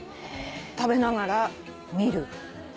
食べながら見る。